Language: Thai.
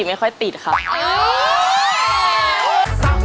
สักนิดนึง